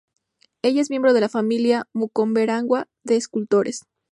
Ella es miembro de la familia Mukomberanwa de escultores.